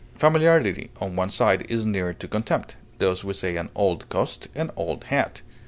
Familiarity, on one side, is near to contempt; thus we say, an old coat, an old hat.